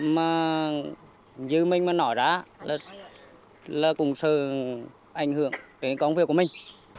mà như mình mới nói đó là cũng sự ảnh hưởng đến công việc của mình